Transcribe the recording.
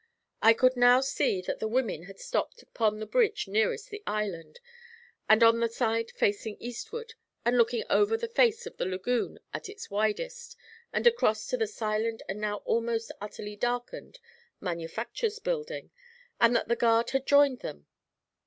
I could now see that the women had stopped upon the bridge nearest the island, and on the side facing eastward, and looking over the face of the lagoon at its widest, and across to the silent and now almost utterly darkened Manufactures Building, and that the guard had joined them.